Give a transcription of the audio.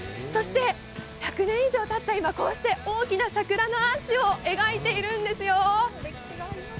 そして１００年以上たった今、こうして大きな桜のアーチを描いているんですよ！